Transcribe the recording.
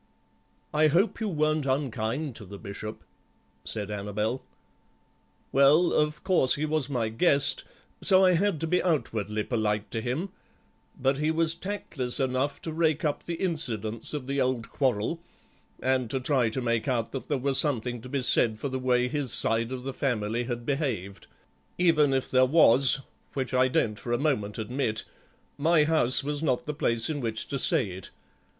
"I hope you weren't unkind to the Bishop," said Annabel. "Well, of course he was my guest, so I had to be outwardly polite to him, but he was tactless enough to rake up the incidents of the old quarrel, and to try to make out that there was something to be said for the way his side of the family had behaved; even if there was, which I don't for a moment admit, my house was not the place in which to say it.